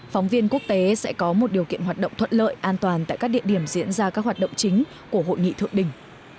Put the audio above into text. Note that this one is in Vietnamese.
phóng viên quốc tế sẽ có một điều kiện hoạt động thuận lợi an toàn tại các địa điểm diễn ra các hoạt động chính của hội nghị thượng đỉnh